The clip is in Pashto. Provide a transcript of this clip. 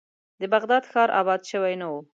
د بغداد ښار آباد شوی نه و.